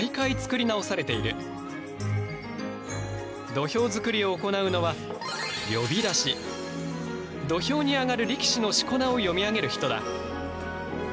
土俵作りを行うのは土俵に上がる力士のしこ名を読み上げる人だ。